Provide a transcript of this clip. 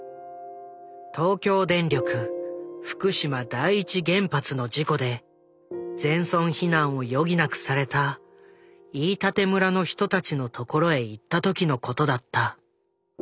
東京電力福島第一原発の事故で全村避難を余儀なくされた飯舘村の人たちのところへ行った時のことだった。